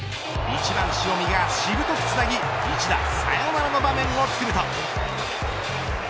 １番塩見がしぶとくつなぎ一打サヨナラの場面を作ると。